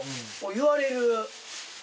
言われる。